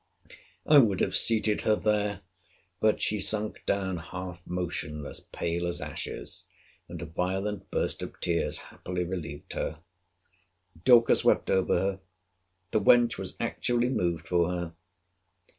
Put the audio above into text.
I would have seated her there; but she sunk down half motionless, pale as ashes. And a violent burst of tears happily relieved her. Dorcas wept over her. The wench was actually moved for her!